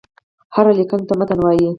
هري ليکني ته متن وايي.